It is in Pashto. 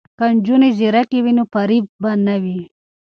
که نجونې ځیرکې وي نو فریب به نه وي.